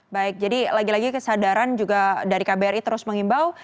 baik jadi lagi lagi kesadaran juga dari kbri terus mengimbau